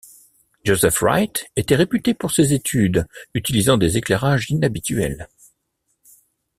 Joseph Wright était réputé pour ses études utilisant des éclairages inhabituels.